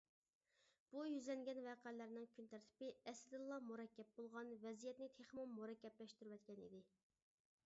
بۇ يۈزلەنگەن ۋەقەلەرنىڭ كۈن تەرتىپى ئەسلىدىنلا مۇرەككەپ بولغان ۋەزىيەتنى تېخىمۇ مۇرەككەپلەشتۈرۈۋەتكەن ئىدى.